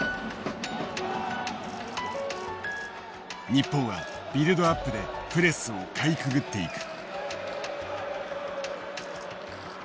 日本はビルドアップでプレスをかいくぐっていく。